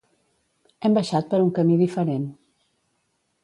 Hem baixat per un camí diferent.